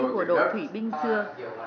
của đội thủy binh xưa